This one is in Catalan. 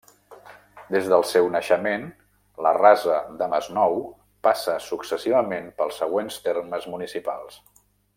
Des del seu naixement, la rasa de Masnou passa successivament pels següents termes municipals.